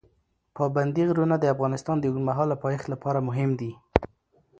پابندي غرونه د افغانستان د اوږدمهاله پایښت لپاره مهم دي.